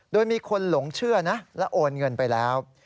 โดยมีคนหลงเชื่อนะและโอนเงินไปแล้ว